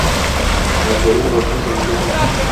Aș dori un răspuns în acest sens.